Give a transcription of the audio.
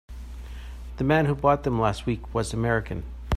The man who bought them last week was American.